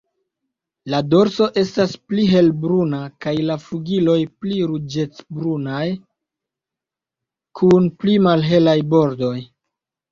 La dorso estas pli helbruna kaj la flugiloj pli ruĝecbrunaj kun pli malhelaj bordoj.